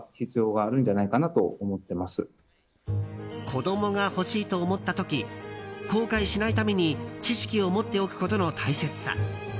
子供が欲しいと思った時後悔しないために知識を持っておくことの大切さ。